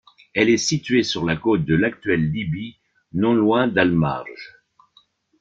Elle est située sur la côte de l'actuelle Libye, non loin d'Al Marj.